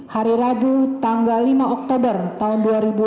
hari rabu tanggal lima oktober tahun dua ribu enam belas